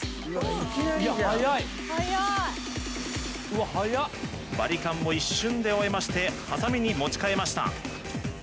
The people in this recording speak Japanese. いや速いバリカンも一瞬で終えましてはさみに持ち替えました